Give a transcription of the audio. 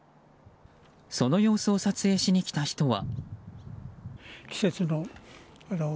その様子を撮影しに来た人は。